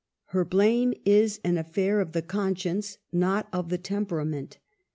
Her blame is an affair of the con science, not of the temperament.